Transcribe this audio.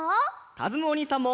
かずむおにいさんも。